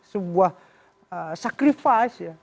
sebuah sacrifice ya